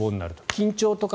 緊張とか